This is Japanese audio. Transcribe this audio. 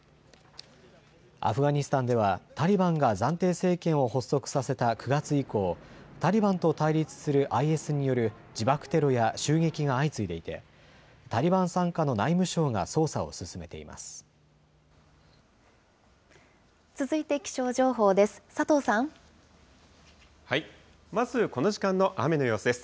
アフガニスタンでは、タリバンが暫定政権を発足させた９月以降、タリバンと対立するＩＳによる自爆テロや襲撃が相次いでいて、タリバン傘下の内務省が捜査を進めています。